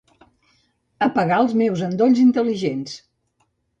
Apagar els meus endolls intel·ligents.